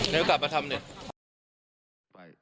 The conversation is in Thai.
เร็วกลับมาทำดี